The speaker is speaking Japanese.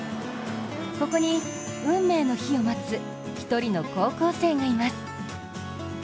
ここに運命の日を待つ１人の高校生がいます。